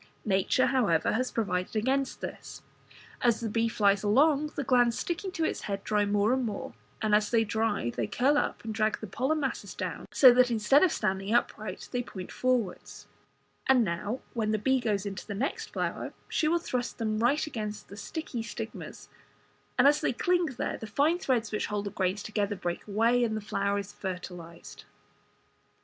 Nature, however, has provided against this. As the bee flies along, the glands sticking to its head dry more and more, and as they dry they curl up and drag the pollen masses down, so that instead of standing upright, as in 1, Fig. 63, they point forwards, as in 2. And now, when the bee goes into the next flower, she will thrust them right against the sticky stigmas, and as they cling there the fine threads which hold the grains together break away, and the flower is fertilized.